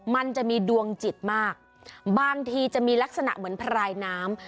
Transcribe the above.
มันจะมีดวงจิตมากบางทีจะมีลักษณะเหมือนพรายน้ำ